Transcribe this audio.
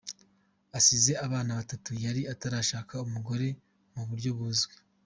Asize abana batanu, yari atarashaka umugore mu buryo buzwi.